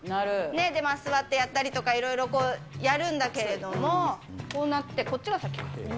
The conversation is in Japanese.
座ってやったりとかいろいろこうやるんだけども、こうなって、こっちが先。